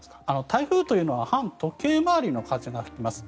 台風というのは反時計回りの風が吹きます。